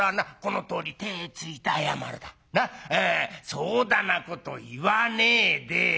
そうだなこと言わねえで。